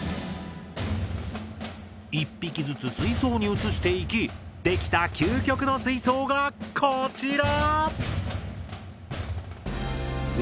１匹ずつ水槽に移していきできた「究極の水槽」がこちら！